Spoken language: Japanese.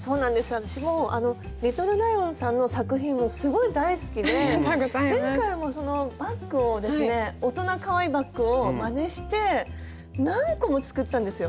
私もＬｉｔｔｌｅＬｉｏｎさんの作品すごい大好きで前回もバッグをですね大人かわいいバッグをまねして何個も作ったんですよ。